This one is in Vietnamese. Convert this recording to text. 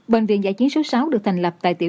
bệnh viện giải chiến số sáu được thành lập tại